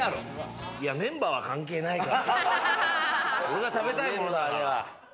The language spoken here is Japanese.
俺が食べたいものだから。